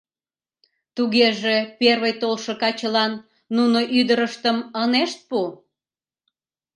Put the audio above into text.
Тугеже первый толшо качылан нуно ӱдырыштым ынешт пу.